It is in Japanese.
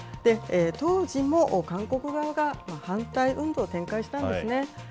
当時も韓国側が反対運動を展開したんですね。